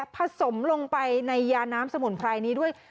ผสมลงไปในยาน้ำสมุนไพรนี้ด้วย